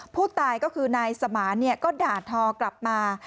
ผู้ตายก็คือนายสมานก็ด่าทอกลับมา